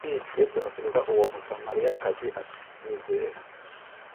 Yesu asubiza uwo Musamariyakazi ati : "Nyizera,